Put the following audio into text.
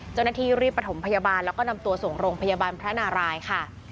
เจ้าหน้าที่รีบประถมพยาบาลแล้วก็นำตัวส่งโรงพยาบาลพระนารายค่ะ